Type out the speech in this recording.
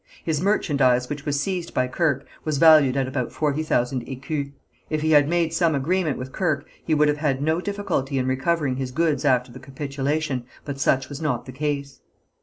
His merchandise which was seized by Kirke was valued at about forty thousand écus. If he had made some agreement with Kirke he would have had no difficulty in recovering his goods after the capitulation, but such was not the case.